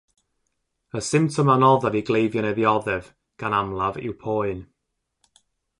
Y symptom anoddaf i gleifion ei ddioddef gan amlaf yw poen.